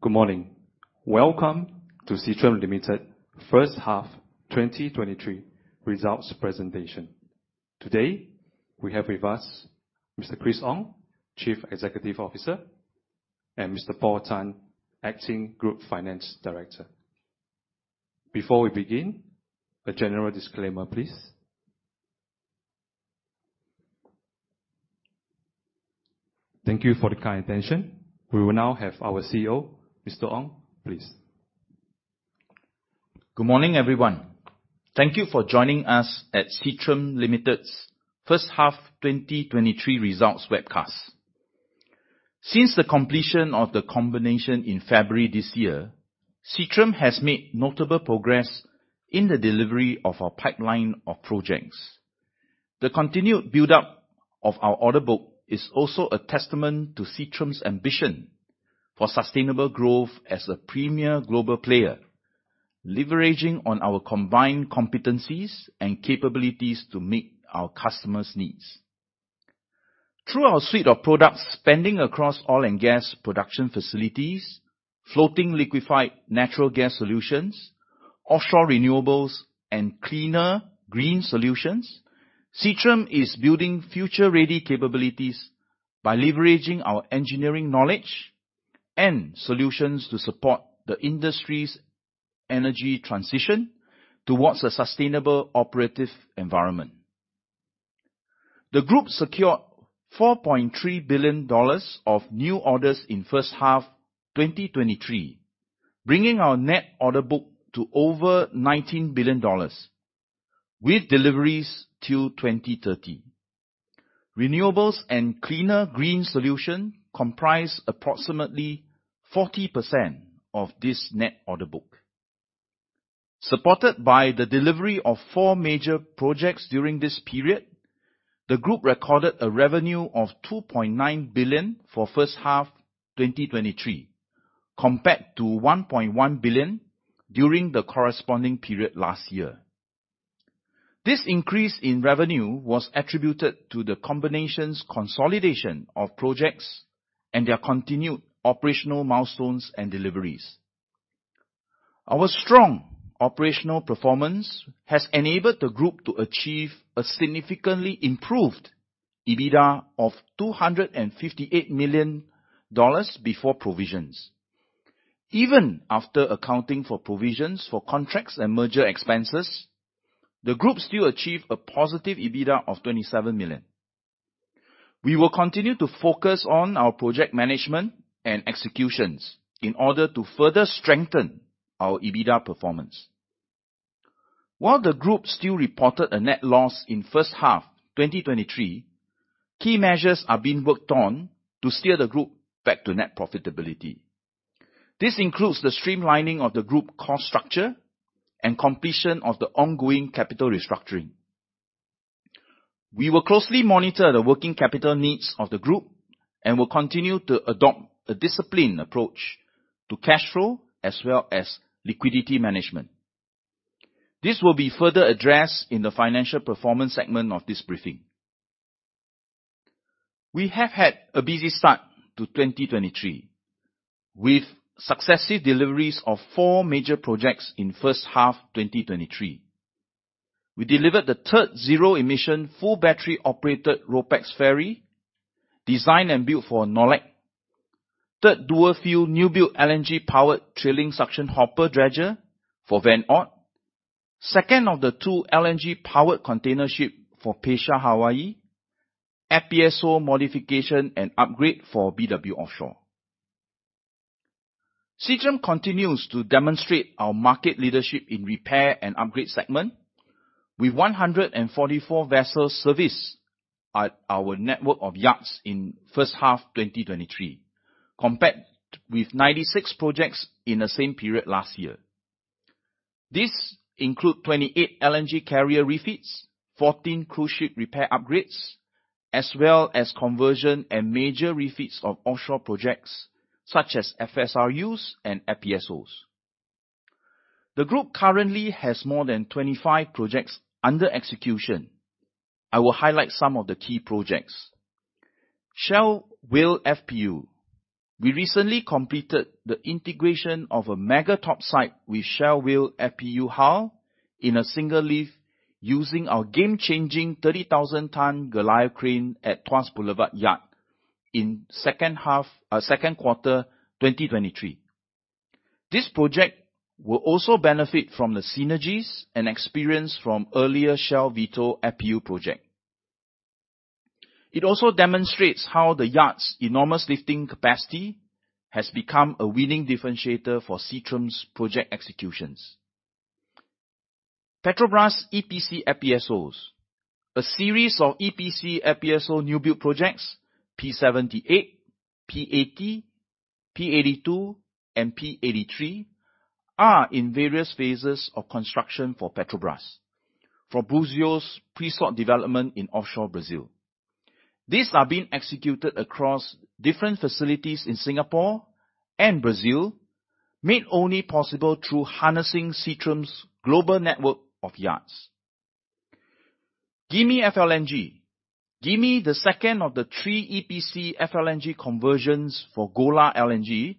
Good morning. Welcome to Seatrium Limited first half 2023 results presentation. Today, we have with us Mr. Chris Ong, Chief Executive Officer, and Mr. Paul Tan, Acting Group Finance Director. Before we begin, a general disclaimer, please. Thank you for the kind attention. We will now have our CEO, Mr. Ong, please. Good morning, everyone. Thank you for joining us at Seatrium Limited's first half 2023 results webcast. Since the completion of the combination in February this year, Seatrium has made notable progress in the delivery of our pipeline of projects. The continued buildup of our order book is also a testament to Seatrium's ambition for sustainable growth as a premier global player, leveraging on our combined competencies and capabilities to meet our customers' needs. Through our suite of products, spanning across oil and gas production facilities, floating liquefied natural gas solutions, offshore renewables, and cleaner green solutions, Seatrium is building future-ready capabilities by leveraging our engineering knowledge and solutions to support the industry's energy transition towards a sustainable operative environment. The group secured $4.3 billion of new orders in first half 2023, bringing our net order book to over $19 billion, with deliveries till 2030. Renewables and cleaner green solution comprise approximately 40% of this net order book. Supported by the delivery of four major projects during this period, the group recorded a revenue of $2.9 billion for first half 2023, compared to $1.1 billion during the corresponding period last year. This increase in revenue was attributed to the combination's consolidation of projects and their continued operational milestones and deliveries. Our strong operational performance has enabled the group to achieve a significantly improved EBITDA of $258 million before provisions. Even after accounting for provisions for contracts and merger expenses, the group still achieved a positive EBITDA of $27 million. We will continue to focus on our project management and executions in order to further strengthen our EBITDA performance. While the group still reported a net loss in first half 2023, key measures are being worked on to steer the group back to net profitability. This includes the streamlining of the group cost structure and completion of the ongoing capital restructuring. We will closely monitor the working capital needs of the group and will continue to adopt a disciplined approach to cash flow as well as liquidity management. This will be further addressed in the financial performance segment of this briefing. We have had a busy start to 2023, with successive deliveries of four major projects in first half 2023. We delivered the third zero-emission, full battery-operated RoPax ferry, designed and built for Norled. Third dual-fuel, new-build LNG-powered trailing suction hopper dredger for Van Oord. Second of the 2 LNG-powered container ship for Pasha Hawaii. FPSO modification and upgrade for BW Offshore. Seatrium continues to demonstrate our market leadership in repair and upgrade segment, with 144 vessels serviced at our network of yards in first half 2023, compared with 96 projects in the same period last year. This include 28 LNG carrier refits, 14 cruise ship repair upgrades, as well as conversion and major refits of offshore projects such as FSRUs and FPSOs. The group currently has more than 25 projects under execution. I will highlight some of the key projects. Shell Whale FPU. We recently completed the integration of a mega topside with Shell Whale FPU hull in a single lift using our game-changing 30,000 ton Goliath Crane at Tuas Boulevard Yard in Q2 2023. This project will also benefit from the synergies and experience from earlier Shell Vito FPU project. It also demonstrates how the yard's enormous lifting capacity has become a winning differentiator for Seatrium's project executions. Petrobras EPC FPSOs, a series of EPC FPSO new build projects, P-78, P-80, P-82, and P-83, are in various phases of construction for Petrobras, for Buzios pre-salt development in offshore Brazil. These are being executed across different facilities in Singapore and Brazil, made only possible through harnessing Seatrium's global network of yards.... Gimi FLNG. Gimi, the second of the three EPC FLNG conversions for Golar LNG,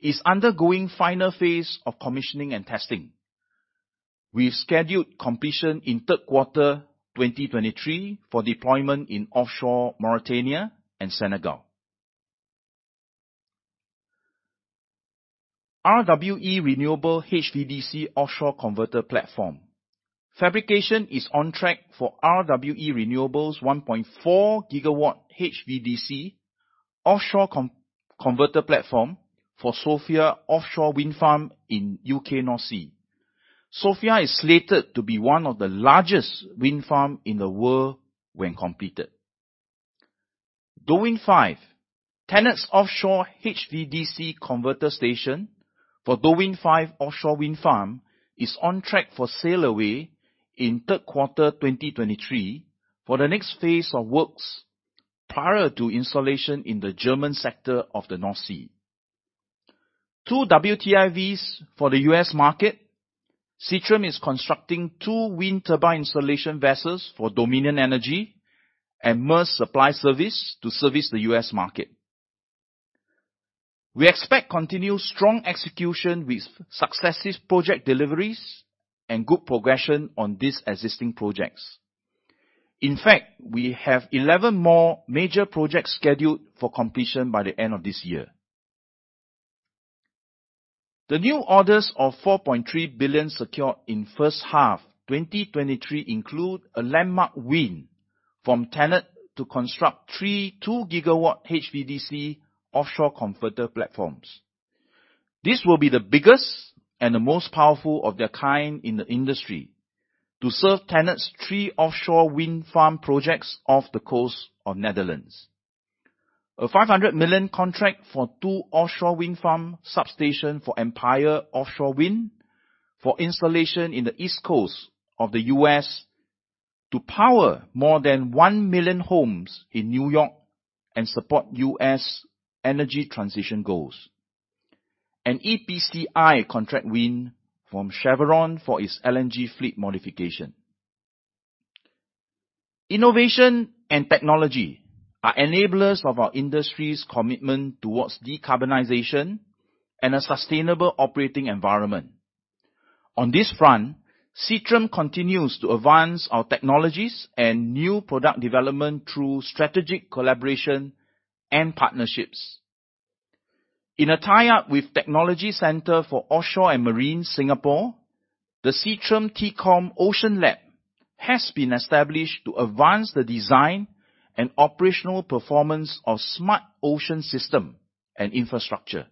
is undergoing final phase of commissioning and testing. We've scheduled completion in Q3 2023 for deployment in offshore Mauritania and Senegal. RWE Renewables HVDC offshore converter platform. Fabrication is on track for RWE Renewables 1.4-gigawatt HVDC offshore converter platform for Sofia offshore wind farm in UK North Sea. Sofia is slated to be one of the largest wind farm in the world when completed. DolWin5. TenneT's offshore HVDC converter station for DolWin5 offshore wind farm is on track for sail away in 3Q 2023 for the next phase of works prior to installation in the German sector of the North Sea. Two WTIVs for the US market. Seatrium is constructing two wind turbine installation vessels for Dominion Energy and Maersk Supply Service to service the US market. We expect continued strong execution with successive project deliveries and good progression on these existing projects. In fact, we have 11 more major projects scheduled for completion by the end of this year. The new orders of $4.3 billion secured in first half 2023 include a landmark win from TenneT to construct three 2-gigawatt HVDC offshore converter platforms. This will be the biggest and the most powerful of their kind in the industry to serve TenneT's 3 offshore wind farm projects off the coast of Netherlands. A $500 million contract for 2 offshore wind farm substation for Empire Offshore Wind, for installation in the East Coast of the U.S. to power more than 1 million homes in New York and support U.S. energy transition goals. An EPCI contract win from Chevron for its LNG fleet modification. Innovation and technology are enablers of our industry's commitment towards decarbonization and a sustainable operating environment. On this front, Seatrium continues to advance our technologies and new product development through strategic collaboration and partnerships. In a tie-up with Technology Centre for Offshore and Marine, Singapore, the Seatrium-TCOMS Ocean Lab has been established to advance the design and operational performance of smart ocean system and infrastructure.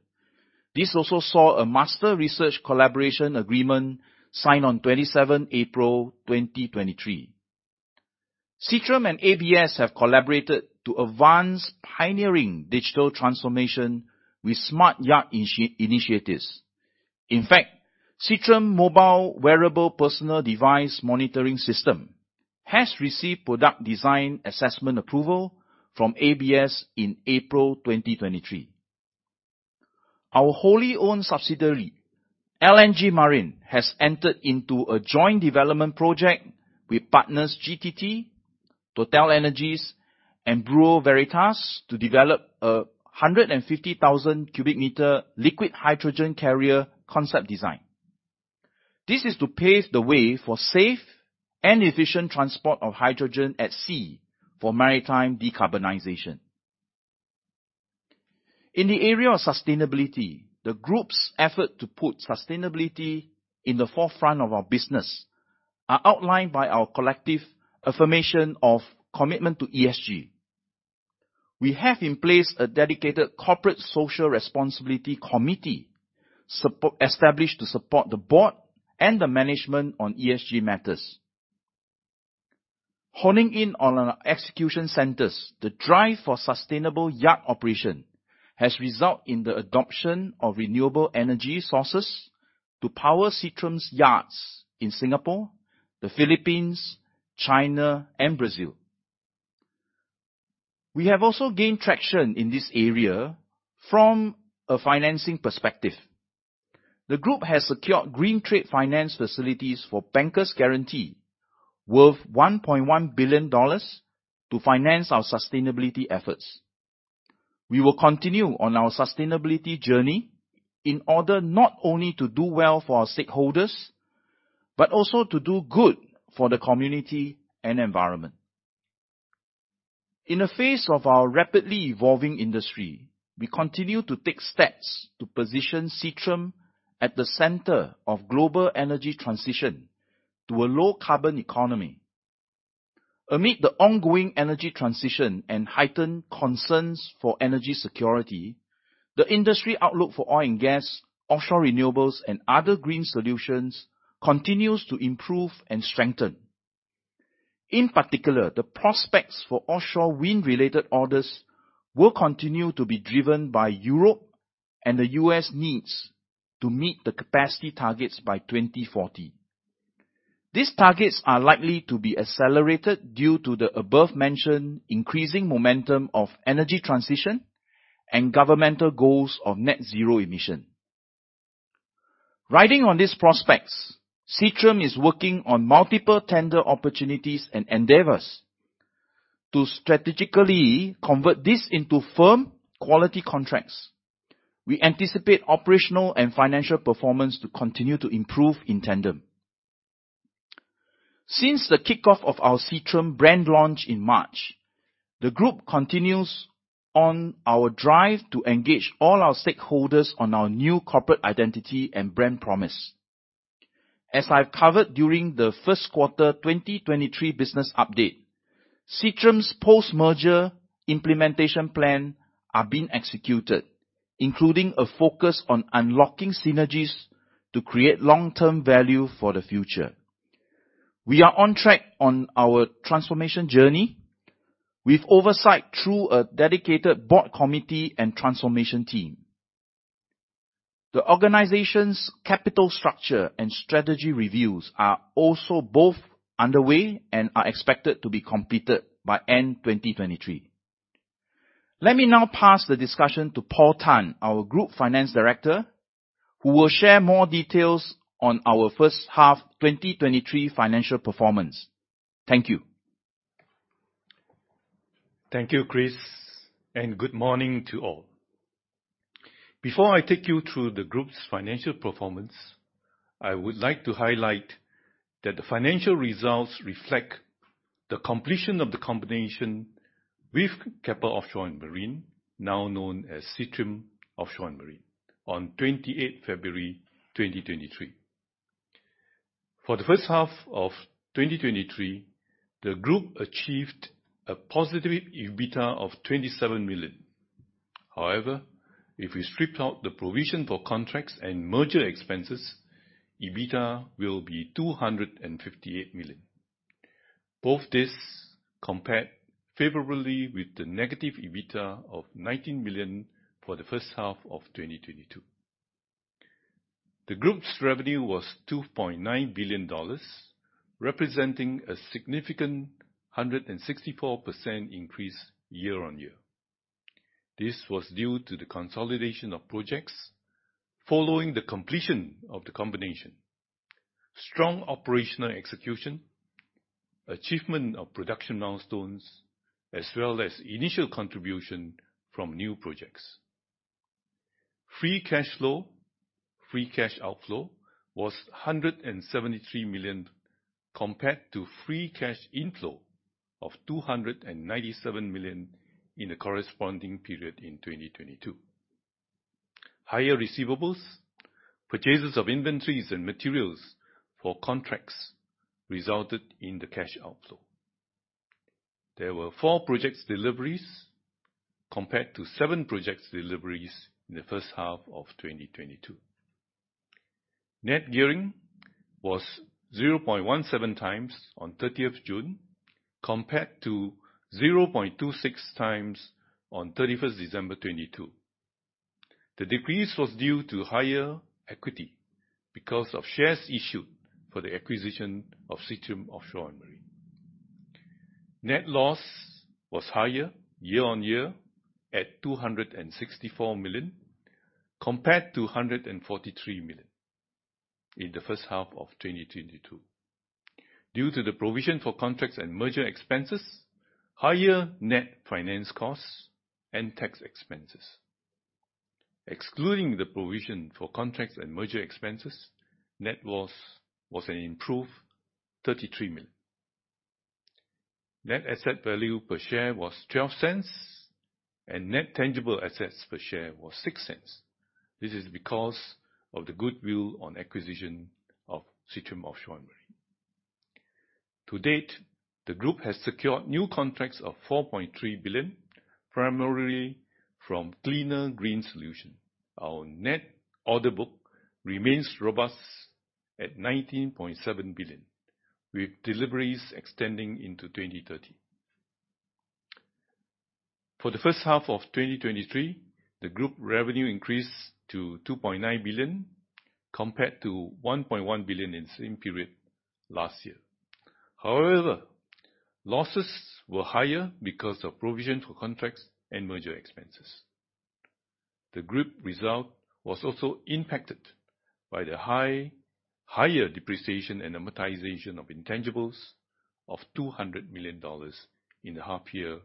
This also saw a master research collaboration agreement signed on 27 April 2023. Seatrium and ABS have collaborated to advance pioneering digital transformation with smart yard initiatives. In fact, Seatrium mobile wearable personal device monitoring system has received product design assessment approval from ABS in April 2023. Our wholly owned subsidiary, LMG Marin, has entered into a joint development project with partners GTT, TotalEnergies, and Bureau Veritas to develop a 150,000 cubic meter liquid hydrogen carrier concept design. This is to pave the way for safe and efficient transport of hydrogen at sea for maritime decarbonization. In the area of sustainability, the Group's effort to put sustainability in the forefront of our business are outlined by our collective affirmation of commitment to ESG. We have in place a dedicated corporate social responsibility committee established to support the board and the management on ESG matters. Honing in on our execution centers, the drive for sustainable yard operation has resulted in the adoption of renewable energy sources to power Seatrium's yards in Singapore, the Philippines, China, and Brazil. We have also gained traction in this area from a financing perspective. The group has secured green trade finance facilities for bank guarantee, worth $1.1 billion, to finance our sustainability efforts. We will continue on our sustainability journey in order not only to do well for our stakeholders, but also to do good for the community and environment. In the face of our rapidly evolving industry, we continue to take steps to position Seatrium at the center of global energy transition to a low-carbon economy. Amid the ongoing energy transition and heightened concerns for energy security, the industry outlook for oil and gas, offshore renewables, and other green solutions continues to improve and strengthen. In particular, the prospects for offshore wind-related orders will continue to be driven by Europe, and the US needs to meet the capacity targets by 2040. These targets are likely to be accelerated due to the above-mentioned increasing momentum of energy transition and governmental goals of net zero emission. Riding on these prospects, Seatrium is working on multiple tender opportunities and endeavors. To strategically convert this into firm quality contracts, we anticipate operational and financial performance to continue to improve in tandem. Since the kickoff of our Seatrium brand launch in March, the group continues on our drive to engage all our stakeholders on our new corporate identity and brand promise. As I've covered during the Q1 2023 business update, Seatrium's post-merger implementation plan are being executed, including a focus on unlocking synergies to create long-term value for the future. We are on track on our transformation journey, with oversight through a dedicated board committee and transformation team. The organization's capital structure and strategy reviews are also both underway and are expected to be completed by end 2023. Let me now pass the discussion to Paul Tan, our Group Finance Director, who will share more details on our first half 2023 financial performance. Thank you. Thank you, Chris, and good morning to all. Before I take you through the group's financial performance, I would like to highlight that the financial results reflect the completion of the combination with Keppel Offshore & Marine, now known as Seatrium Offshore & Marine, on 28 February, 2023. For the first half of 2023, the group achieved a positive EBITDA of $27 million. However, if we stripped out the provision for contracts and merger expenses, EBITDA will be $258 million. Both this compared favorably with the negative EBITDA of $19 million for the first half of 2022. The group's revenue was $2.9 billion, representing a significant 164% increase year-on-year. This was due to the consolidation of projects following the completion of the combination. Strong operational execution, achievement of production milestones, as well as initial contribution from new projects. Free cash flow. Free cash outflow was 173 million, compared to free cash inflow of 297 million in the corresponding period in 2022. Higher receivables, purchases of inventories and materials for contracts resulted in the cash outflow. There were four projects deliveries, compared to seven projects deliveries in the first half of 2022. Net gearing was 0.17 times on 30th June, compared to 0.26 times on 31st December 2022. The decrease was due to higher equity because of shares issued for the acquisition of Seatrium Offshore and Marine. Net loss was higher year-on-year at 264 million, compared to 143 million in the first half of 2022. Due to the provision for contracts and merger expenses, higher net finance costs and tax expenses. Excluding the provision for contracts and merger expenses, net loss was an improved 33 million. Net asset value per share was 0.12, and net tangible assets per share was 0.06. This is because of the goodwill on acquisition of Seatrium Offshore and Marine. To date, the group has secured new contracts of 4.3 billion, primarily from cleaner green solution. Our net order book remains robust at 19.7 billion, with deliveries extending into 2030. For the first half of 2023, the group revenue increased to 2.9 billion, compared to 1.1 billion in the same period last year. However, losses were higher because of provision for contracts and merger expenses. The group result was also impacted by the higher depreciation and amortization of intangibles of $200 million in the half year,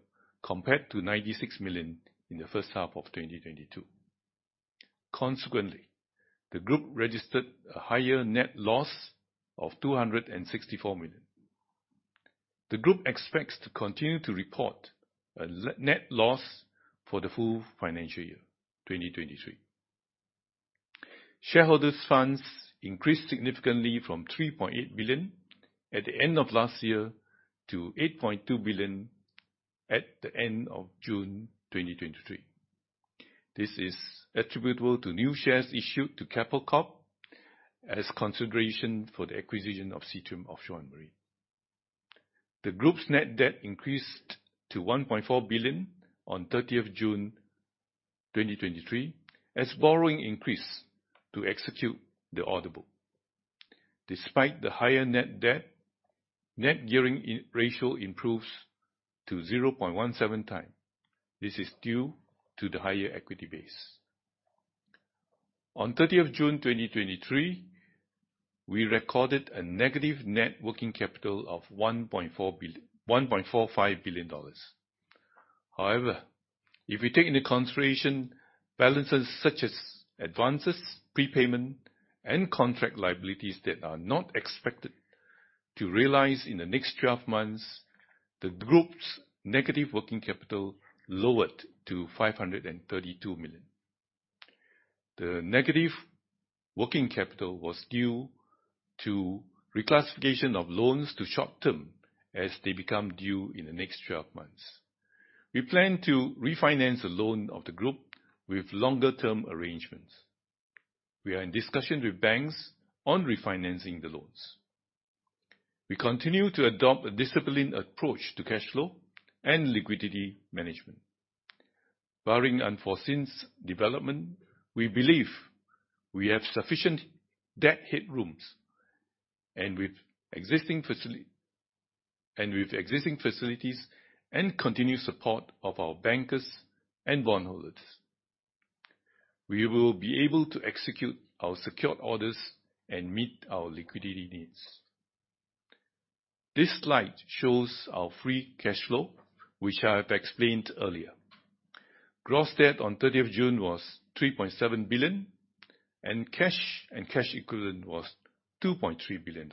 compared to $96 million in the first half of 2022. Consequently, the group registered a higher net loss of $264 million. The group expects to continue to report a net loss for the full financial year, 2023. Shareholders' funds increased significantly from $3.8 billion at the end of last year, to $8.2 billion at the end of June 2023. This is attributable to new shares issued to Keppel Corporation as consideration for the acquisition of Seatrium Offshore & Marine. The group's net debt increased to SDG 1.4 billion on 30th June 2023, as borrowing increased to execute the order book. Despite the higher net debt, net gearing ratio improves to 0.17 times. This is due to the higher equity base. On 30th of June, 2023, we recorded a negative net working capital of 1.45 billion dollars. However, if we take into consideration balances such as advances, prepayment, and contract liabilities that are not expected to realize in the next 12 months, the group's negative working capital lowered to 532 million. The negative working capital was due to reclassification of loans to short-term as they become due in the next 12 months. We plan to refinance the loan of the group with longer-term arrangements. We are in discussion with banks on refinancing the loans. We continue to adopt a disciplined approach to cash flow and liquidity management. Barring unforeseen development, we believe we have sufficient debt headrooms, with existing facilities and continued support of our bankers and bondholders, we will be able to execute our secured orders and meet our liquidity needs. This slide shows our free cash flow, which I have explained earlier. Gross debt on 30th of June was $3.7 billion, cash and cash equivalent was $2.3 billion.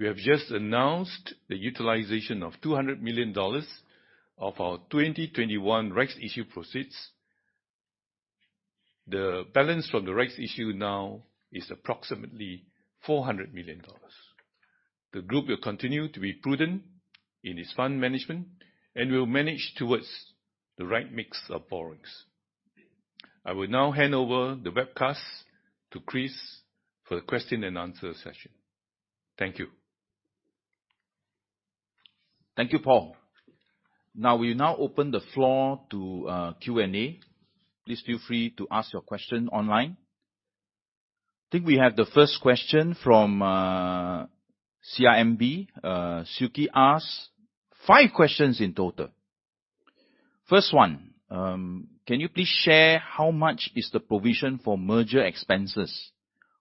We have just announced the utilization of $200 million of our 2021 rights issue proceeds. The balance from the rights issue now is approximately $400 million. The group will continue to be prudent in its fund management and will manage towards the right mix of borrowings. I will now hand over the webcast to Chris for the question and answer session. Thank you. Thank you, Paul. Now, we now open the floor to Q&A. Please feel free to ask your question online. I think we have the first question from CIMB. Siew Khee asks five questions in total. First one: Can you please share how much is the provision for merger expenses?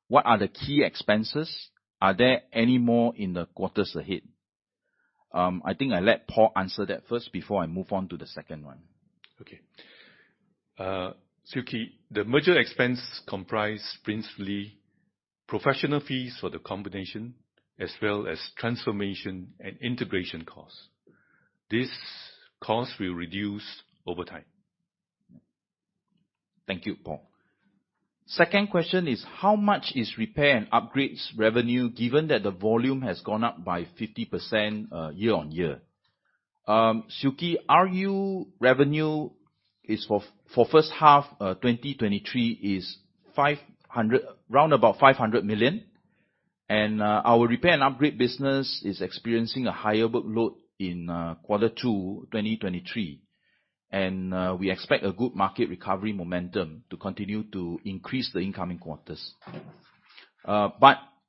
What are the key expenses? Are there any more in the quarters ahead? I think I let Paul answer that first before I move on to the second one. Okay. Siew Khee, the merger expense comprises principally professional fees for the combination, as well as transformation and integration costs. This cost will reduce over time. Thank you, Paul. Second question is: How much is repair and upgrades revenue, given that the volume has gone up by 50% year-on-year? Siew Khee, RU revenue is for for first half, 2023 is around about 500 million, and our repair and upgrade business is experiencing a higher workload in quarter two, 2023. We expect a good market recovery momentum to continue to increase the incoming quarters.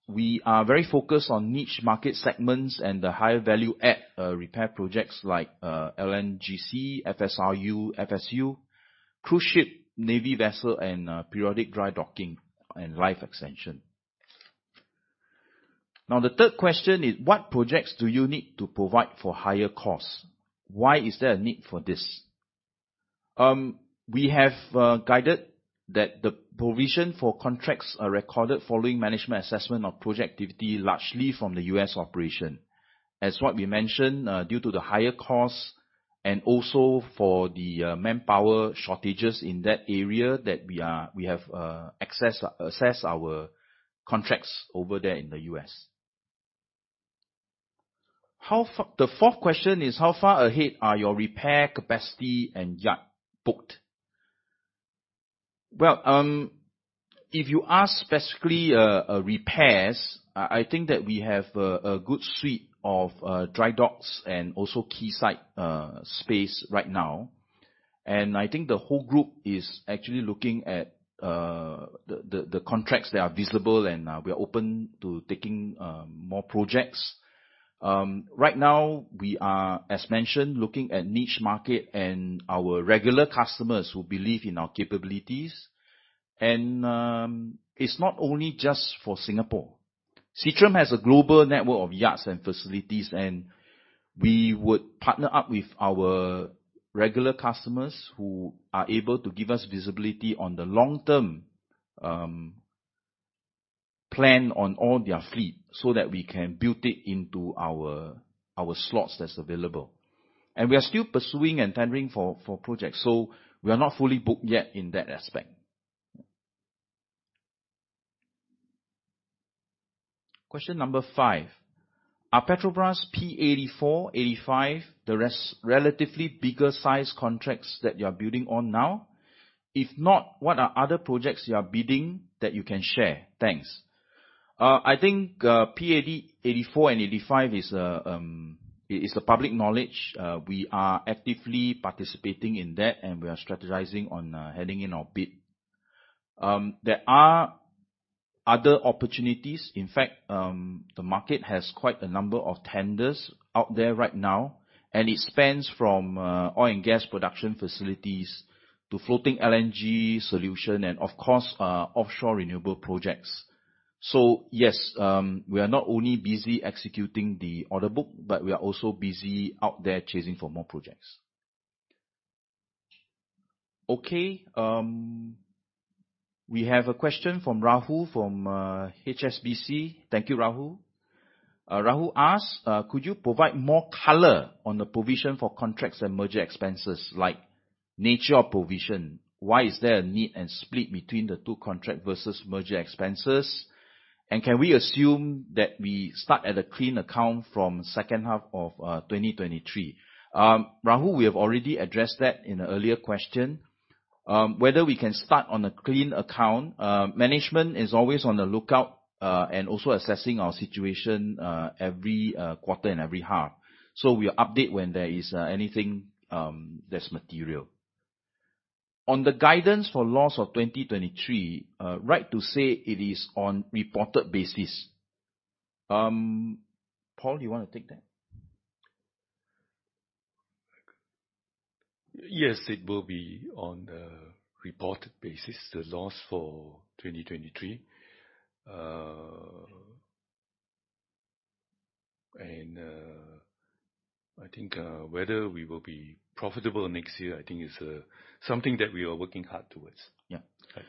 We are very focused on niche market segments and the higher value-add repair projects like LNGC, FSRU, FSU, cruise ship, navy vessel, and periodic dry docking and life extension. Now, the third question is: What projects do you need to provide for higher costs? Why is there a need for this? We have guided that the provision for contracts are recorded following management assessment of project activity, largely from the U.S. operation. As what we mentioned, due to the higher costs and also for the manpower shortages in that area, that we have assessed our contracts over there in the U.S. The fourth question is: How far ahead are your repair capacity and yard booked? Well, if you ask specifically, repairs, I think that we have a good suite of dry docks and also quayside space right now. I think the whole group is actually looking at the contracts that are visible, and we are open to taking more projects. Right now, we are, as mentioned, looking at niche market and our regular customers who believe in our capabilities. It's not only just for Singapore. Seatrium has a global network of yards and facilities, and we would partner up with our regular customers who are able to give us visibility on the long-term plan on all their fleet, so that we can build it into our, our slots that's available. We are still pursuing and tendering for, for projects, so we are not fully booked yet in that aspect. Question number 5: Are Petrobras P-84, P-85, the relatively bigger size contracts that you are building on now? If not, what are other projects you are bidding that you can share? Thanks. I think P-84 and P-85 is a. It is a public knowledge, we are actively participating in that, and we are strategizing on heading in our bid. There are other opportunities. In fact, the market has quite a number of tenders out there right now, and it spans from oil and gas production facilities to floating LNG solution and, of course, offshore renewable projects. Yes, we are not only busy executing the order book, but we are also busy out there chasing for more projects. Okay, we have a question from Rahul, from HSBC. Thank you, Rahul. Rahul asks: "Could you provide more color on the provision for contracts and merger expenses, like nature of provision? Why is there a need and split between the two contract versus merger expenses? Can we assume that we start at a clean account from second half of 2023? Rahul, we have already addressed that in an earlier question. Whether we can start on a clean account, management is always on the lookout, and also assessing our situation every quarter and every half, so we will update when there is anything that's material. On the guidance for loss of 2023, right to say it is on reported basis? Paul, you wanna take that? Yes, it will be on the reported basis, the loss for 2023. I think, whether we will be profitable next year, I think is something that we are working hard towards. Yeah. Okay.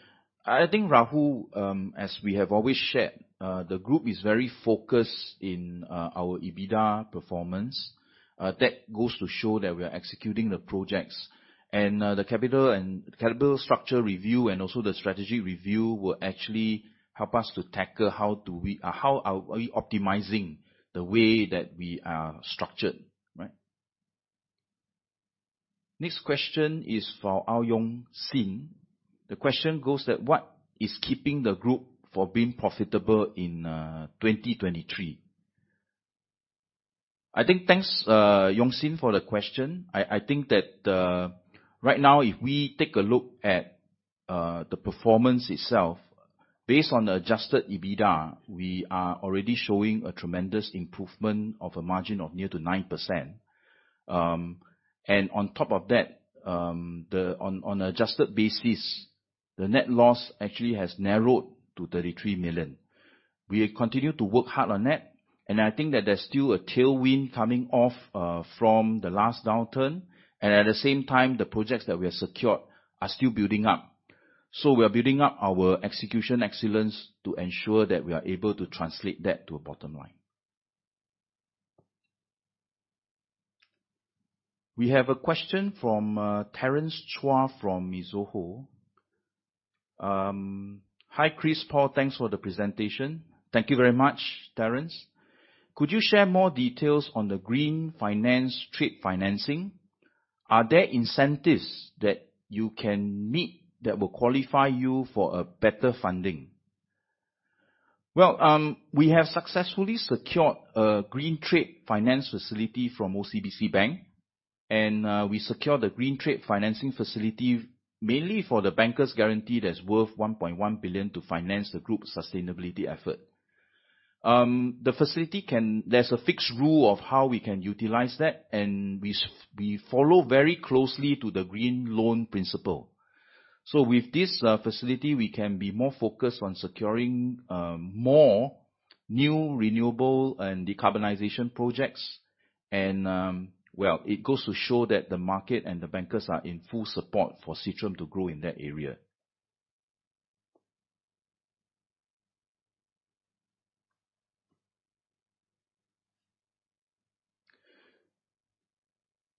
I think, Rahul, as we have always shared, the group is very focused in our EBITDA performance. That goes to show that we are executing the projects. The capital and capital structure review, and also the strategy review, will actually help us to tackle how are we optimizing the way that we are structured, right? Next question is for Au Yong Sing. The question goes that: "What is keeping the group for being profitable in 2023?" I think, thanks, Yong Sing, for the question. I think that, right now, if we take a look at the performance itself, based on the adjusted EBITDA, we are already showing a tremendous improvement of a margin of near to 9%. On top of that, on adjusted basis, the net loss actually has narrowed to 33 million. We continue to work hard on that, and I think that there's still a tailwind coming off from the last downturn, and at the same time, the projects that we have secured are still building up. We are building up our execution excellence to ensure that we are able to translate that to a bottom line. We have a question from Terence Chua, from Mizuho. "Hi, Chris, Paul, thanks for the presentation." Thank you very much, Terence. "Could you share more details on the green finance trade financing? Are there incentives that you can meet that will qualify you for a better funding?" Well, we have successfully secured a green trade finance facility from OCBC Bank. We secured the green trade financing facility mainly for the bankers' guarantee that's worth 1.1 billion to finance the group's sustainability effort. The facility. There's a fixed rule of how we can utilize that, and we follow very closely to the Green Loan Principles. With this facility, we can be more focused on securing more new, renewable and decarbonization projects. Well, it goes to show that the market and the bankers are in full support for Seatrium to grow in that area.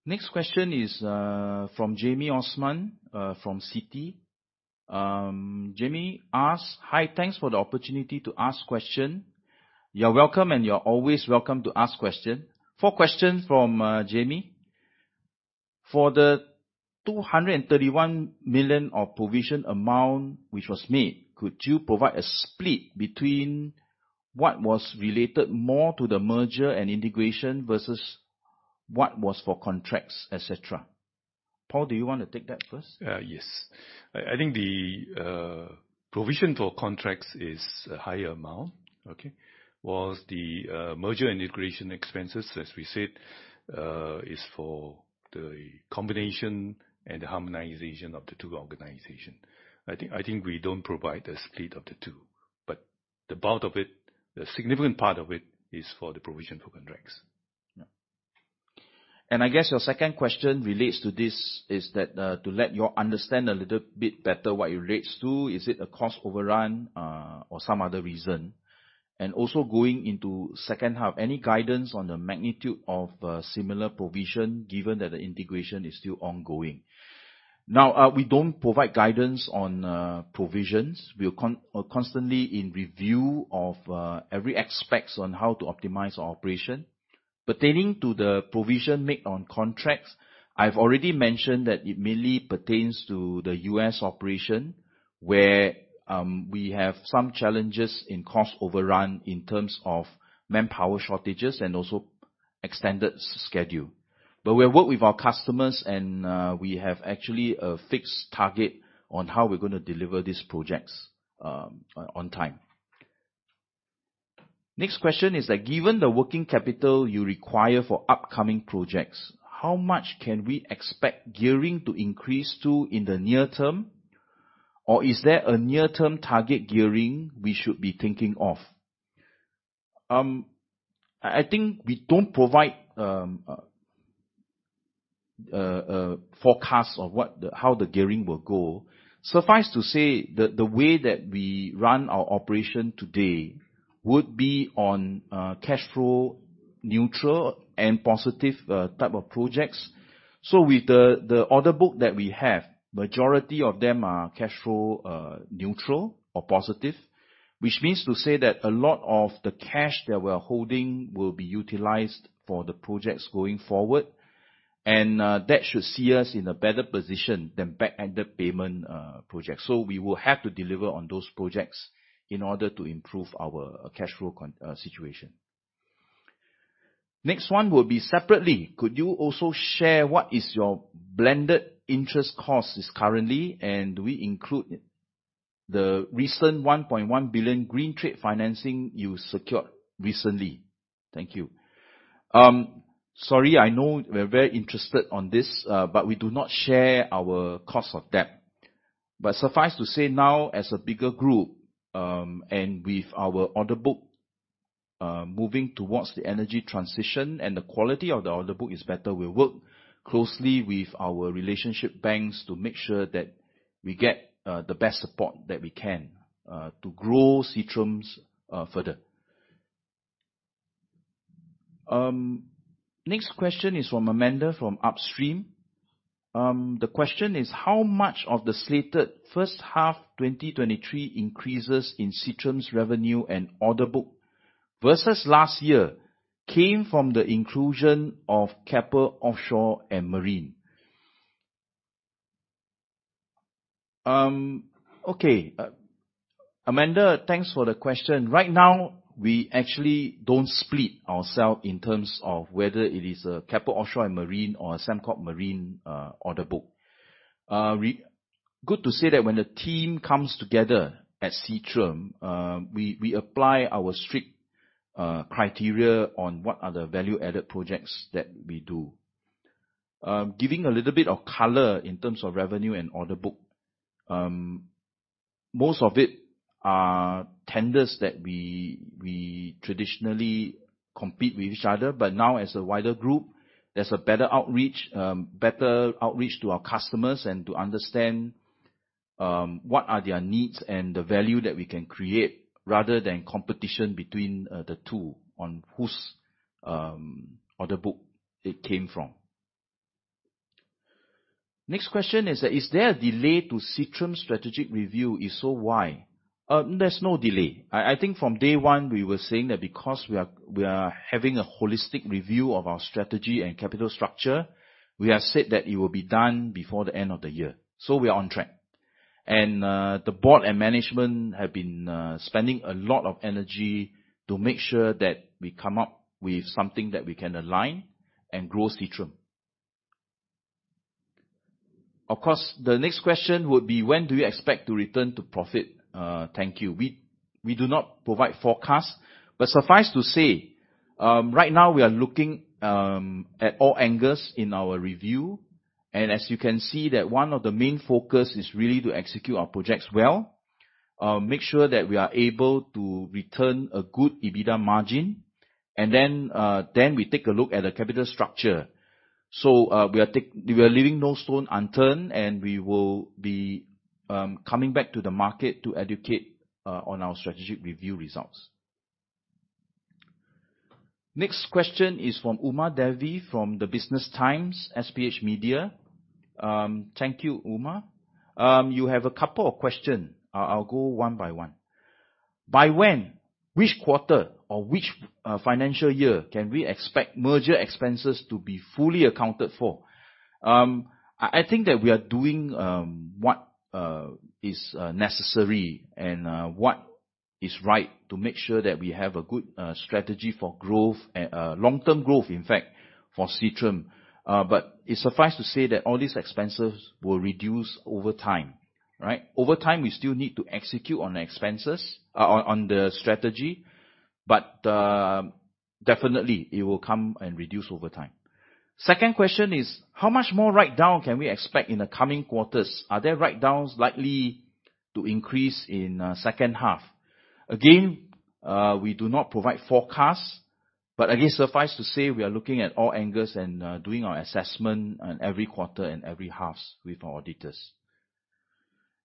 Next question is from Jamie Osman from Citi. Jamie asks: "Hi, thanks for the opportunity to ask question." You're welcome, and you're always welcome to ask question. Four questions from Jamie: "For the $231 million of provision amount which was made, could you provide a split between what was related more to the merger and integration versus what was for contracts, et cetera?" Paul, do you want to take that first? Yes. I think the provision for contracts is a higher amount, okay? Whilst the merger and integration expenses, as we said, is for the combination and the harmonization of the two organization. I think we don't provide a split of the two, but the bulk of it, the significant part of it, is for the provision for contracts. Yeah. I guess your second question relates to this, is that to let you understand a little bit better what it relates to, is it a cost overrun or some other reason? Also going into second half, any guidance on the magnitude of similar provision, given that the integration is still ongoing. Now, we don't provide guidance on provisions. We are constantly in review of every aspects on how to optimize our operation. Pertaining to the provision made on contracts, I've already mentioned that it mainly pertains to the US operation, where we have some challenges in cost overrun in terms of manpower shortages and also extended schedule. We work with our customers, and we have actually a fixed target on how we're gonna deliver these projects on time. Next question is that, "Given the working capital you require for upcoming projects, how much can we expect gearing to increase to in the near term? Or is there a near-term target gearing we should be thinking of?" I, I think we don't provide forecast of what the how the gearing will go. Suffice to say that the way that we run our operation today would be on cash flow neutral and positive type of projects. With the, the order book that we have, majority of them are cash flow neutral or positive, which means to say that a lot of the cash that we're holding will be utilized for the projects going forward, and that should see us in a better position than back-ended payment projects. We will have to deliver on those projects in order to improve our cash flow situation. Next one will be: "Separately, could you also share what is your blended interest costs is currently, and do we include the recent $1.1 billion green trade financing you secured recently? Thank you." Sorry, I know we're very interested on this, but we do not share our cost of debt. Suffice to say now, as a bigger group, and with our order book, moving towards the energy transition, and the quality of the order book is better, we work closely with our relationship banks to make sure that we get the best support that we can to grow Seatrium further. Next question is from Amanda, from Upstream. The question is: "How much of the slated first half 2023 increases in Seatrium's revenue and order book, versus last year, came from the inclusion of Keppel Offshore & Marine?" Okay. Amanda, thanks for the question. Right now, we actually don't split ourself in terms of whether it is a Keppel Offshore & Marine or a Sembcorp Marine order book. Good to say that when the team comes together at Seatrium, we apply our strict criteria on what are the value-added projects that we do. Giving a little bit of color in terms of revenue and order book, most of it are tenders that we traditionally compete with each other, but now as a wider group, there's a better outreach. Better outreach to our customers and to understand what are their needs and the value that we can create, rather than competition between the two on whose order book it came from. Next question is that: "Is there a delay to Seatrium strategic review? If so, why?" There's no delay. I, I think from day one, we were saying that because we are having a holistic review of our strategy and capital structure, we have said that it will be done before the end of the year, so we are on track. The board and management have been spending a lot of energy to make sure that we come up with something that we can align and grow Seatrium. Of course, the next question would be: "When do you expect to return to profit? Thank you. We do not provide forecast. Suffice to say, right now we are looking at all angles in our review. As you can see, one of the main focuses is really to execute our projects well. Make sure that we are able to return a good EBITDA margin. Then we take a look at the capital structure. We are leaving no stone unturned, and we will be coming back to the market to educate on our strategic review results. Next question is from Uma Devi, from The Business Times, SPH Media. Thank you, Uma. You have a couple of questions. I'll go one by one. By when, which quarter or which financial year can we expect merger expenses to be fully accounted for?" I, I think that we are doing what is necessary and what is right to make sure that we have a good strategy for growth, long-term growth, in fact, for Seatrium. It's suffice to say that all these expenses will reduce over time, right? Over time, we still need to execute on the expenses, on the strategy, but definitely it will come and reduce over time. Second question is: "How much more write-down can we expect in the coming quarters? Are there write-downs likely to increase in second half? Again, we do not provide forecasts, but again, suffice to say, we are looking at all angles and doing our assessment on every quarter and every halves with our auditors.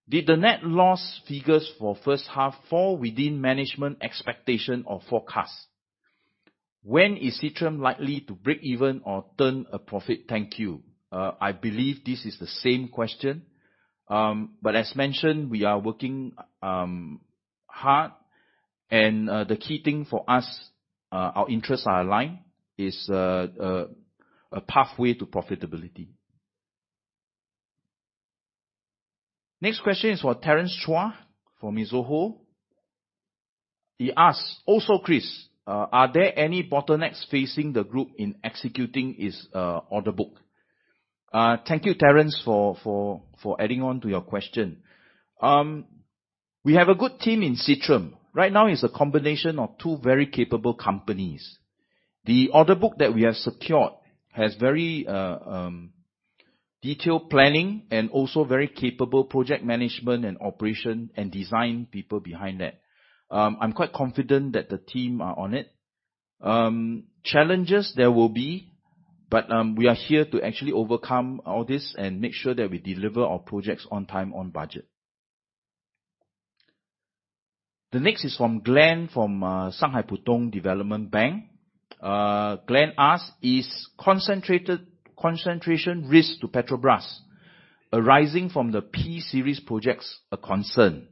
"Did the net loss figures for first half fall within management expectation or forecast? When is Seatrium likely to break even or turn a profit? Thank you." I believe this is the same question, but as mentioned, we are working hard. The key thing for us, our interests are aligned, is a pathway to profitability. Next question is for Terence Chua from Mizuho. He asks: "Also, Chris, are there any bottlenecks facing the group in executing its order book?" Thank you, Terence, for, for, for adding on to your question. We have a good team in Seatrium. Right now, it's a combination of two very capable companies. The order book that we have secured has very detailed planning and also very capable project management and operation and design people behind that. I'm quite confident that the team are on it. Challenges there will be, but we are here to actually overcome all this and make sure that we deliver our projects on time, on budget. The next is from Glenn, from Shanghai Pudong Development Bank. Glenn asks: "Is concentration risk to Petrobras arising from the P-series projects a concern?"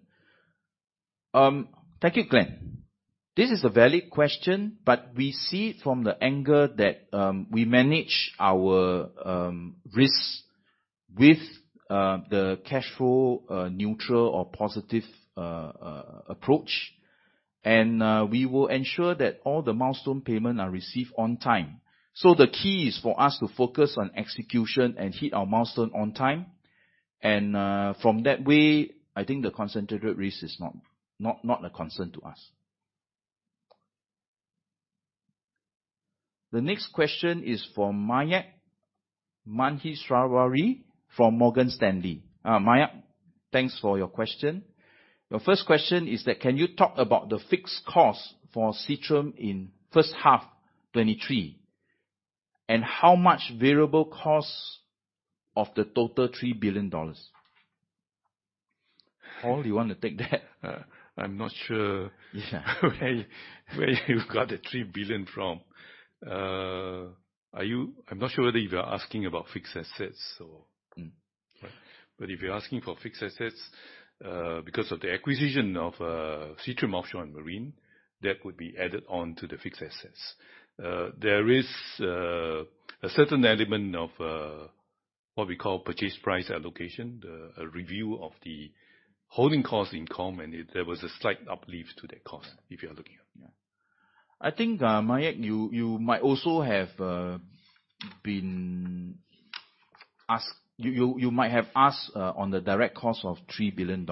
Thank you, Glenn. This is a valid question, but we see it from the angle that we manage our risks with the cash flow neutral or positive approach. We will ensure that all the milestone payment are received on time. The key is for us to focus on execution and hit our milestone on time. From that way, I think the concentrated risk is not, not, not a concern to us. The next question is from Mayank Maheshwari from Morgan Stanley. Mayank, thanks for your question. Your first question is that, "Can you talk about the fixed cost for Seatrium in first half 2023, and how much variable costs of the total $3 billion?" Paul, do you want to take that? I'm not sure. Yeah.... where you, where you've got the 3 billion from? I'm not sure whether you are asking about fixed assets or- Mm. Right. If you're asking for fixed assets, because of the acquisition of Keppel Offshore & Marine, that would be added on to the fixed assets. There is a certain element of what we call purchase price allocation, the review of the holding costs in common, and there was a slight uplift to that cost, if you're looking at. Yeah. I think, Mayak, might have asked on the direct cost of $3 billion.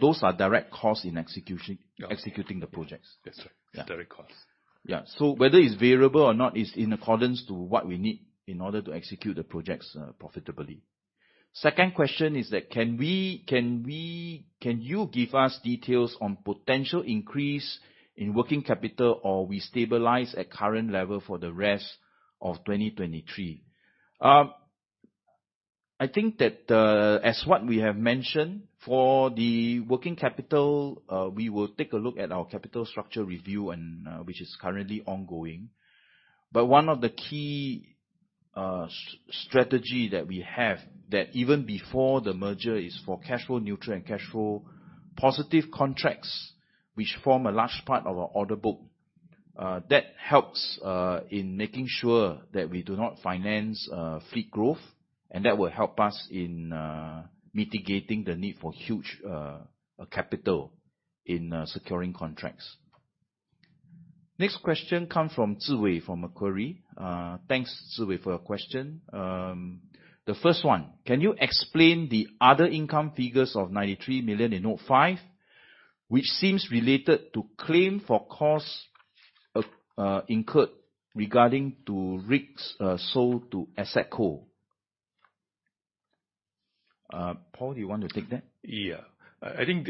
Those are direct costs in execution. Yeah. executing the projects. That's right. Yeah. Direct costs. Yeah. Whether it's variable or not, is in accordance to what we need in order to execute the projects profitably. Second question is that: "Can you give us details on potential increase in working capital, or we stabilize at current level for the rest of 2023?" I think that, as what we have mentioned, for the working capital, we will take a look at our capital structure review and, which is currently ongoing. One of the key strategy that we have, that even before the merger, is for cash flow neutral and cash flow positive contracts, which form a large part of our order book. That helps in making sure that we do not finance fleet growth, and that will help us in mitigating the need for huge capital in securing contracts. Next question come from Ziwei, from Macquarie. Thanks, Ziwei, for your question. The first one: "Can you explain the other income figures of 93 million in 2005, which seems related to claim for costs incurred regarding to rigs sold to AssetCo?" Paul, you want to take that? Yeah. I, I think,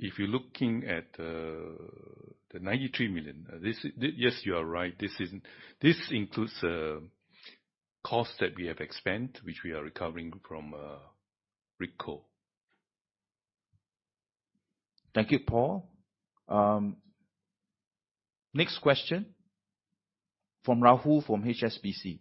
if you're looking at the 93 million, this, yes, you are right. This is, this includes costs that we have spent, which we are recovering from Rig Co. Thank you, Paul. Next question from Rahul, from HSBC.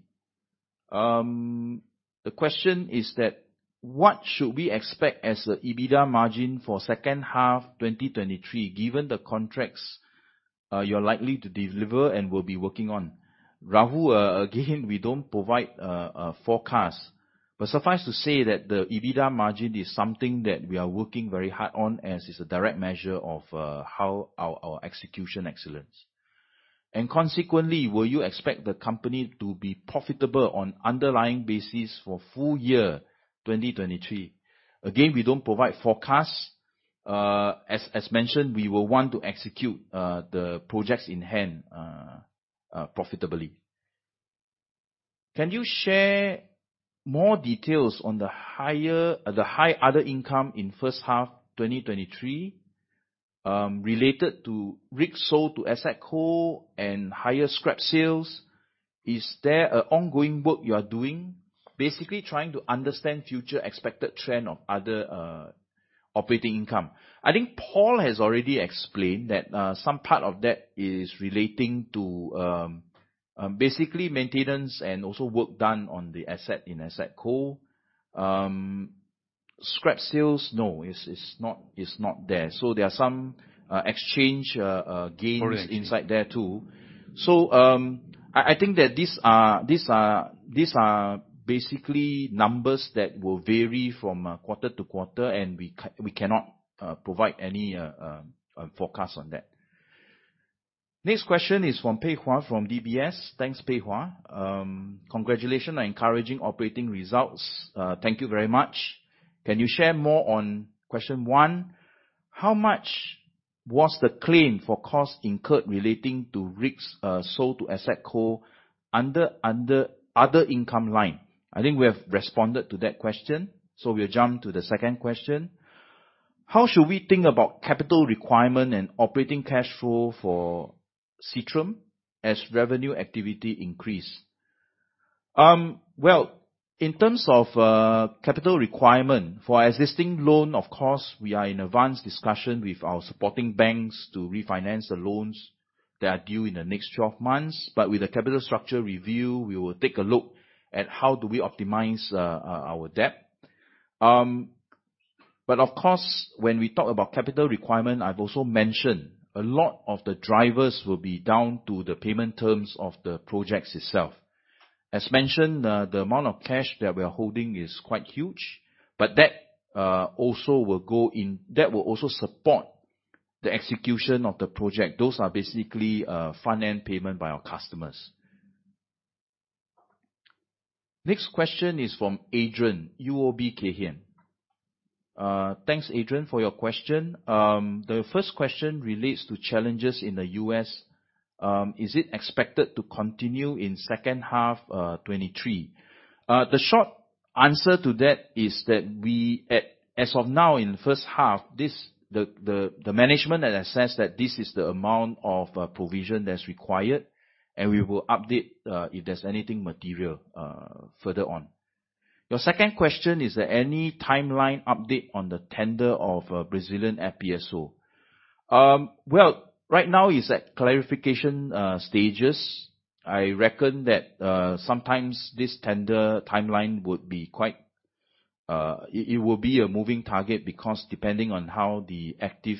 The question is that: "What should we expect as a EBITDA margin for second half 2023, given the contracts you're likely to deliver and will be working on?" Rahul, again, we don't provide forecast. Suffice to say that the EBITDA margin is something that we are working very hard on, as is a direct measure of how our execution excellence. "Consequently, will you expect the company to be profitable on underlying basis for full year 2023?" Again, we don't provide forecasts. As mentioned, we will want to execute the projects in hand profitably. "Can you share more details on the higher, the high other income in first half 2023, related to rigs sold to AssetCo and higher scrap sales? Is there an ongoing work you are doing?" Basically, trying to understand future expected trend of other operating income. I think Paul has already explained that, some part of that is relating to, basically, maintenance and also work done on the asset in Asset Co. Scrap sales, no, it's, it's not, it's not there. There are some exchange gains. Foreign exchange. -inside there, too. I, I think that these are, these are, these are basically numbers that will vary from quarter to quarter, and we cannot provide any forecast on that. Next question is from Peihua, from DBS. Thanks, Peihua. Congratulations on encouraging operating results. Thank you very much. Can you share more on question one? How much was the claim for costs incurred relating to risks sold to AssetCo under, under other income line? I think we have responded to that question, so we'll jump to the second question. How should we think about capital requirement and operating cash flow for Seatrium as revenue activity increase? Well, in terms of capital requirement for our existing loan, of course, we are in advanced discussion with our supporting banks to refinance the loans that are due in the next 12 months. With the capital structure review, we will take a look at how do we optimize our debt. Of course, when we talk about capital requirement, I've also mentioned a lot of the drivers will be down to the payment terms of the projects itself. As mentioned, the amount of cash that we are holding is quite huge, but that will also support the execution of the project. Those are basically finance payment by our customers. Next question is from Adrian, UOB Kay Hian. Thanks, Adrian, for your question. The first question relates to challenges in the U.S. Is it expected to continue in second half 2023? The short answer to that is that we at, as of now, in the first half, this, the management had assessed that this is the amount of provision that's required, and we will update if there's anything material further on. Your second question, is there any timeline update on the tender of Brazilian FPSO? Well, right now is at clarification stages. I reckon that sometimes this tender timeline would be quite... It will be a moving target because depending on how the active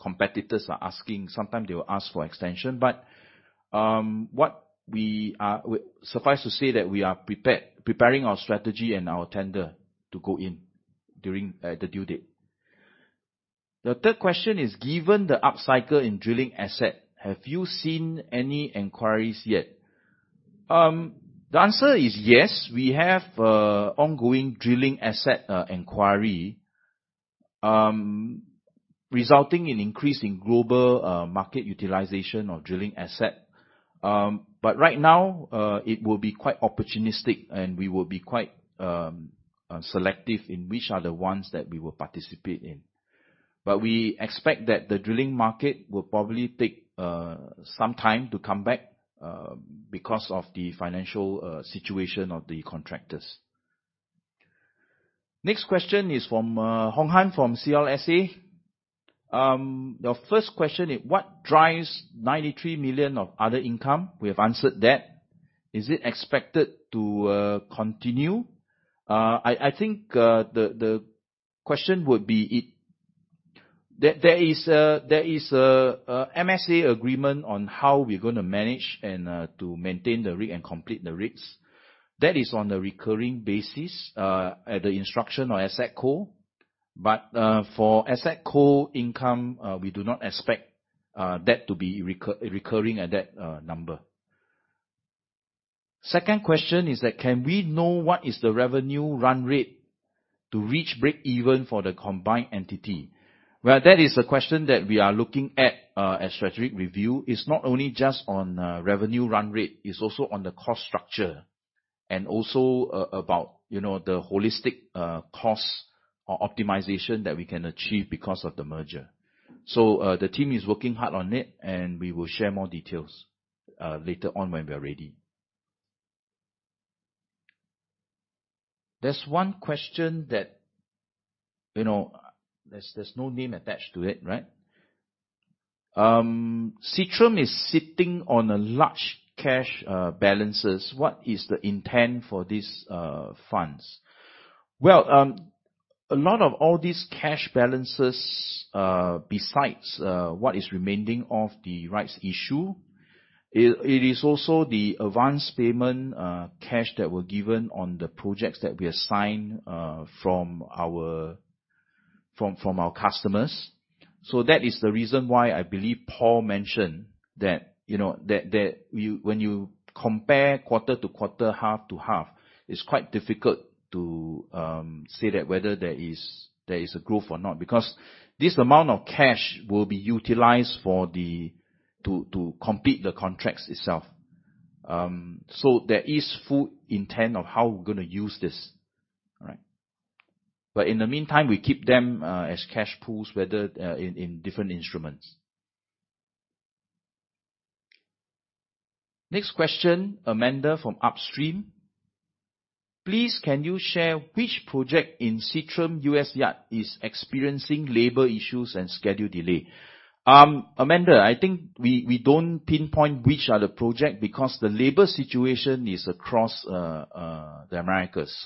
competitors are asking, sometimes they will ask for extension. Suffice to say that we are preparing our strategy and our tender to go in during the due date. The third question is, given the upcycle in drilling asset, have you seen any inquiries yet? The answer is yes. We have ongoing drilling asset inquiry, resulting in increase in global market utilization of drilling asset. But right now, it will be quite opportunistic, and we will be quite selective in which are the ones that we will participate in. But we expect that the drilling market will probably take some time to come back because of the financial situation of the contractors. Next question is from Hong Han, from CLSA. Your first question is, what drives $93 million of other income? We have answered that. Is it expected to continue? I, I think, the, the question would be it... There is a MSA agreement on how we're gonna manage and to maintain the rig and complete the rigs. That is on a recurring basis at the instruction or AssetCo. For AssetCo income, we do not expect that to be recurring at that number. Second question is that, can we know what is the revenue run rate to reach break even for the combined entity? Well, that is a question that we are looking at at strategic review. It's not only just on revenue run rate, it's also on the cost structure, and also about, you know, the holistic costs or optimization that we can achieve because of the merger. The team is working hard on it, and we will share more details later on when we are ready. There's one question that, you know, there's, there's no name attached to it, right? Seatrium is sitting on a large cash balances. What is the intent for these funds? Well, a lot of all these cash balances, besides what is remaining of the rights issue, it is also the advanced payment cash that were given on the projects that we assigned from our customers. That is the reason why I believe Paul mentioned that, you know, that when you compare quarter to quarter, half to half, it's quite difficult to say that whether there is a growth or not, because this amount of cash will be utilized for the to complete the contracts itself. There is full intent of how we're gonna use this. All right? In the meantime, we keep them as cash pools, whether in different instruments. Next question, Amanda from Upstream. Please, can you share which project in Seatrium U.S. Yard is experiencing labor issues and schedule delay? Amanda, I think we, we don't pinpoint which are the project because the labor situation is across the Americas.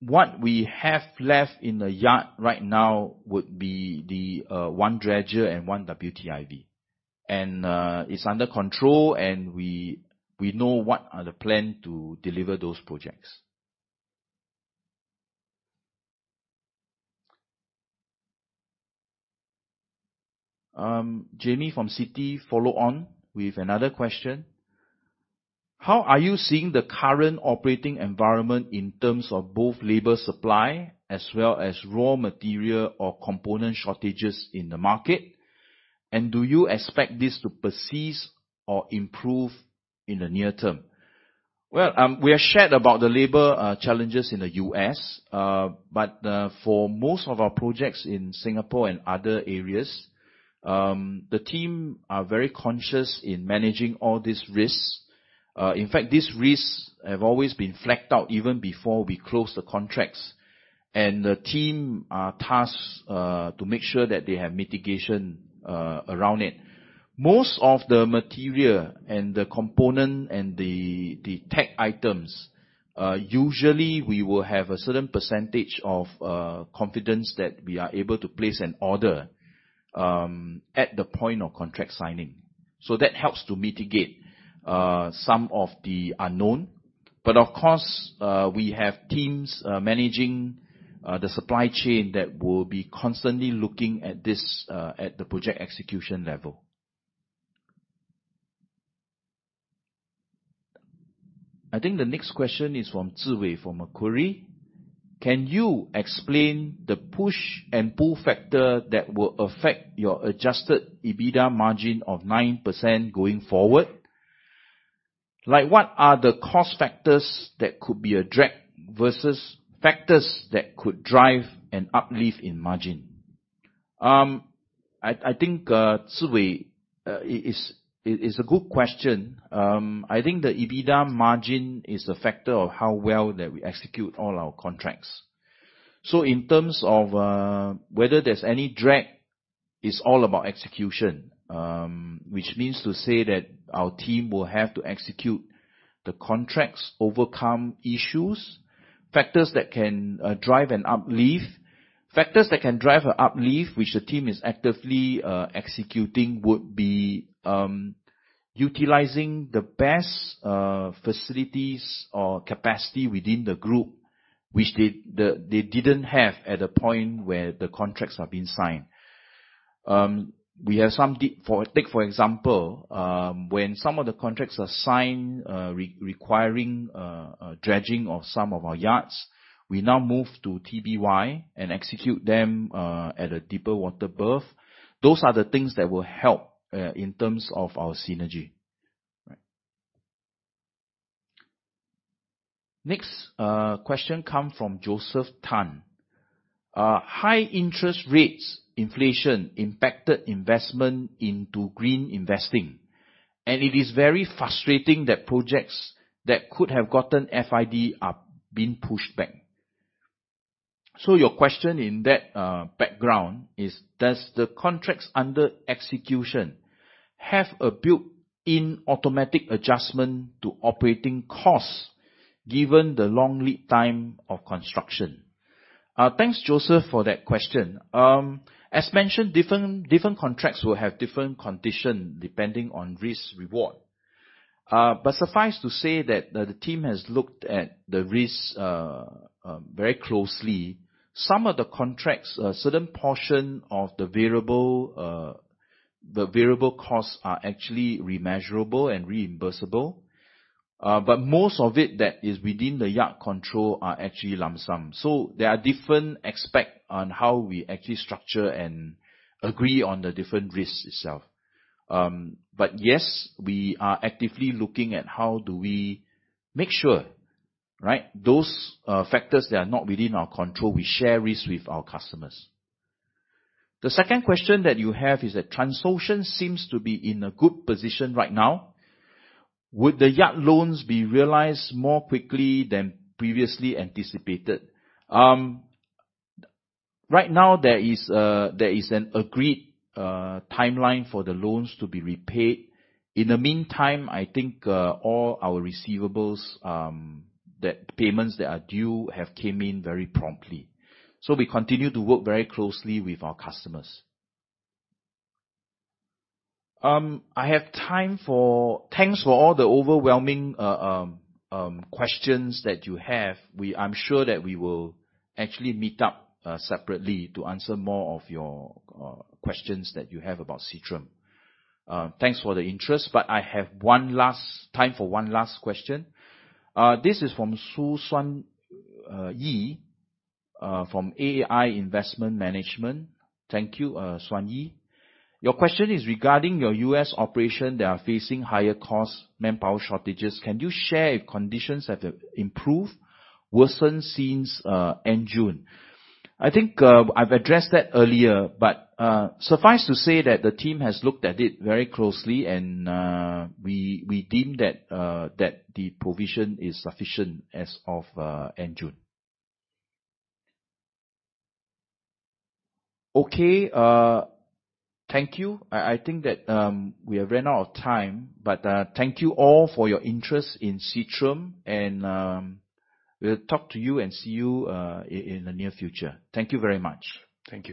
What we have left in the yard right now would be the one dredger and one WTIV. It's under control, and we, we know what are the plan to deliver those projects. Jamie from Citi follow on with another question: How are you seeing the current operating environment in terms of both labor supply as well as raw material or component shortages in the market? Do you expect this to persist or improve in the near term? Well, we have shared about the labor challenges in the U.S., but for most of our projects in Singapore and other areas, the team are very conscious in managing all these risks. In fact, these risks have always been flagged out even before we close the contracts, and the team are tasked to make sure that they have mitigation around it. Most of the material and the component and the, the tech items, usually we will have a certain percentage of confidence that we are able to place an order at the point of contract signing, so that helps to mitigate some of the unknown. Of course, we have teams managing the supply chain that will be constantly looking at this at the project execution level. I think the next question is from Ziwei, from Macquarie. Can you explain the push and pull factor that will affect your adjusted EBITDA margin of 9% going forward? Like, what are the cost factors that could be a drag versus factors that could drive an uplift in margin? I, I think, Ziwei, it is, it is a good question. I think the EBITDA margin is a factor of how well that we execute all our contracts. So in terms of, whether there's any drag, it's all about execution, which means to say that our team will have to execute the contracts, overcome issues. Factors that can drive a uplift, which the team is actively executing, would be utilizing the best facilities or capacity within the group, which they, the, they didn't have at the point where the contracts are being signed. Take, for example, when some of the contracts are signed, requiring dredging of some of our yards, we now move to TBY and execute them at a deeper water berth. Those are the things that will help in terms of our synergy. Right. Next, question come from Joseph Tan. High interest rates, inflation, impacted investment into green investing, and it is very frustrating that projects that could have gotten FID are being pushed back. Your question in that background is: Does the contracts under execution have a built-in automatic adjustment to operating costs, given the long lead time of construction? Thanks, Joseph, for that question. As mentioned, different, different contracts will have different condition, depending on risk reward. Suffice to say that the team has looked at the risks very closely. Some of the contracts, a certain portion of the variable, the variable costs are actually remeasurable and reimbursable, but most of it that is within the yard control are actually lump sum. There are different aspect on how we actually structure and agree on the different risks itself. Yes, we are actively looking at how do we make sure, right? Those factors that are not within our control, we share risks with our customers. The second question that you have is that Transocean seems to be in a good position right now. Would the yard loans be realized more quickly than previously anticipated? Right now, there is a, there is an agreed timeline for the loans to be repaid. In the meantime, I think, all our receivables, the payments that are due have came in very promptly, so we continue to work very closely with our customers. Thanks for all the overwhelming questions that you have. I'm sure that we will actually meet up separately to answer more of your questions that you have about Seatrium. Thanks for the interest, but I have one last time for one last question. This is from Su Xuan Yi from AIA Investment Management. Thank you, Xuan Yi. Your question is regarding your US operation. They are facing higher cost, manpower shortages. Can you share if conditions have improved, worsened since end June? I think I've addressed that earlier, but suffice to say that the team has looked at it very closely and we, we deem that the provision is sufficient as of end June. Okay, thank you. I, I think that we have ran out of time, but thank you all for your interest in Seatrium, and we'll talk to you and see you in the near future. Thank you very much. Thank you.